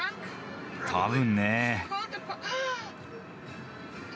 たぶんね。